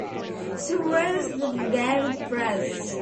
So where’s the garlic press?